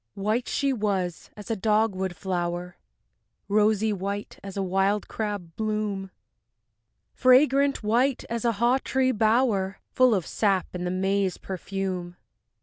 III White she was as a dogwood flower, Rosy white as a wild crab bloom, Fragrant white as a haw tree bower Full of sap and the May's perfume.